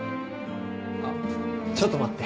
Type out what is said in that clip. あっちょっと待って。